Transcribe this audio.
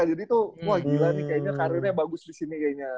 jadi tuh wah gila nih kayaknya karirnya bagus disini kayaknya